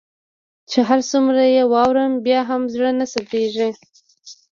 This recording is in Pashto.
چي هر څومره يي واورم بيا هم زړه نه صبریږي